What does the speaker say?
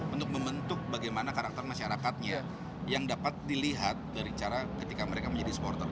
untuk membentuk bagaimana karakter masyarakatnya yang dapat dilihat dari cara ketika mereka menjadi supporter